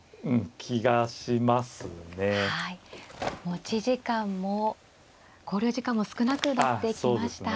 持ち時間も考慮時間も少なくなってきました。